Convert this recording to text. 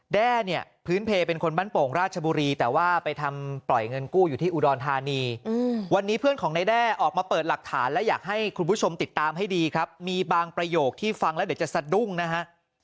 แด้เนี่ยพื้นเพลเป็นคนบ้านโป่งราชบุรีแต่ว่าไปทำปล่อยเงินกู้อยู่ที่อุดรธานีวันนี้เพื่อนของนายแด้ออกมาเปิดหลักฐานและอยากให้คุณผู้ชมติดตามให้ดีครับมีบางประโยคที่ฟังแล้วเดี๋ยวจะสะดุ้งนะฮะ